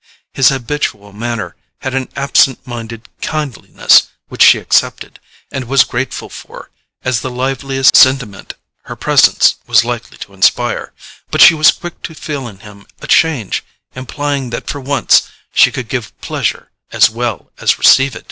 His habitual manner had an absent minded kindliness which she accepted, and was grateful for, as the liveliest sentiment her presence was likely to inspire; but she was quick to feel in him a change implying that for once she could give pleasure as well as receive it.